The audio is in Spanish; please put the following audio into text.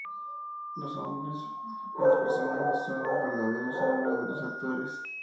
Los nombres de los personajes son los verdaderos nombres de los actores.